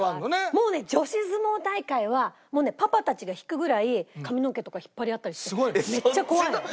もうね女子相撲大会はもうねパパたちが引くぐらい髪の毛とか引っ張り合ったりしてめっちゃ怖いの。